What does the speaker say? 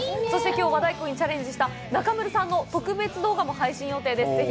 そして、きょう和太鼓にチャレンジした中丸さんの特別動画も配信予定です。